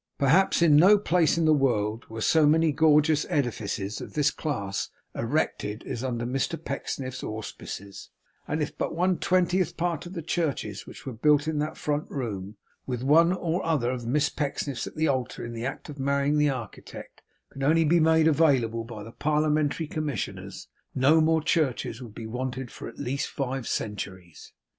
Perhaps in no place in the world were so many gorgeous edifices of this class erected as under Mr Pecksniff's auspices; and if but one twentieth part of the churches which were built in that front room, with one or other of the Miss Pecksniffs at the altar in the act of marrying the architect, could only be made available by the parliamentary commissioners, no more churches would be wanted for at least five centuries.